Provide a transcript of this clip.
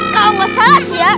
kalo gak salah sih ya